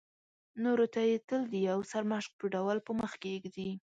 نورو ته یې تل د یو سرمشق په ډول په مخکې ږدي.